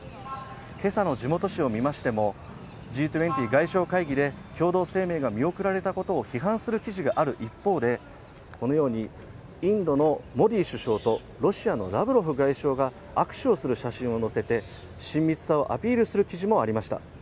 今朝の地元紙を見ましても、Ｇ２０外相会議で共同声明が見送られたことを批判する記事がある一方で、このように、インドのモディ首相とロシアのラブロフ外相が握手をする写真を載せて親密さをアピールする記事もありました